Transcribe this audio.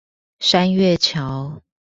山月橋